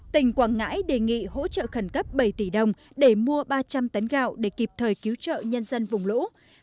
tỉnh quảng ngãi đề nghị hỗ trợ khẩn cấp bảy tỷ đồng để mua ba trăm linh tấn gạo để kịp thời cứu trợ nhân dân vùng lũ